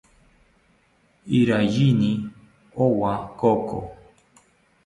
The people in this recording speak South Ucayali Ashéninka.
Iraiyini owa koko